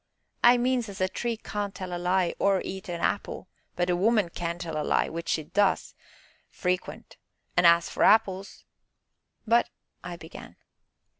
"I means as a tree can't tell a lie, or eat a apple, but a woman can tell a lie which she does frequent, an' as for apples " "But " I began.